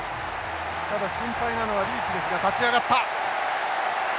ただ心配なのはリーチですが立ち上がった。